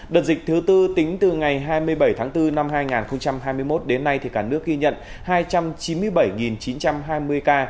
đợt dịch thứ tư tính từ ngày hai mươi bảy tháng bốn năm hai nghìn hai mươi một đến nay cả nước ghi nhận hai trăm chín mươi bảy chín trăm hai mươi ca